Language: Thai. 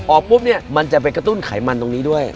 ออกปุ๊บเนี่ยมันจะไปกระตุ้นไขมันตรงนี้ด้วย